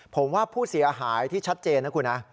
ผมว่าผู้เสียหายที่ชัดเจนนะคุณนะ